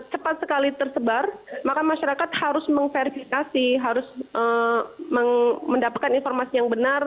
cepat sekali tersebar maka masyarakat harus memverifikasi harus mendapatkan informasi yang benar